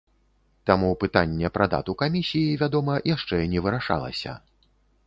Таму пытанне пра дату камісіі, вядома, яшчэ не вырашалася.